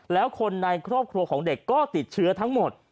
แล้วคนในครอบครัวของเด็กก็ติดเชื้อทั้งหมด